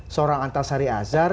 seorang antasari azhar